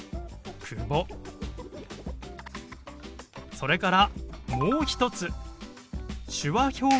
それからもう一つ。